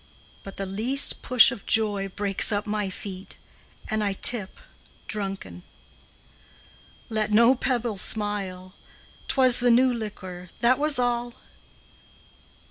But the least push of joy Breaks up my feet, And I tip drunken. Let no pebble smile, 'T was the new liquor, That was all!